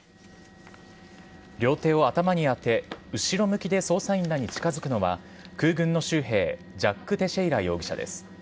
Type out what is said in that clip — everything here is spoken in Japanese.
両手を頭に当て後ろ向きで捜査員らに近づくのは空軍の州兵ジャック・テシェイラ容疑者です。